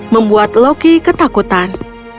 membuat loki ketakutan